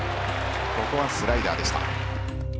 ここはスライダーでした。